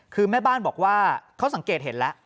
คือแม่บ้านบอกว่าเขาสังเกตเห็นแล้ว